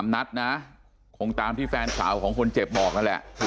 นัดนะคงตามที่แฟนสาวของคนเจ็บบอกนั่นแหละ